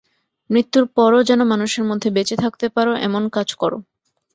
মৃত্যুর পরও যেন মানুষের মধ্যে বেঁচে থাকতে পারো, এমন কাজ করো।